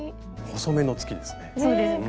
細めの月ですね。